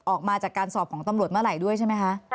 ออกมาจากการสอบของตำรวจเมื่อไหร่ด้วยใช่ไหมคะ